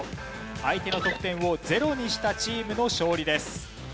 相手の得点をゼロにしたチームの勝利です。